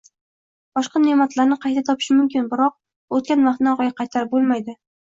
Boshqa ne’matlarni qayta topish mumkin, biroq o‘tgan vaqtni orqaga qaytarib bo‘lmaydi.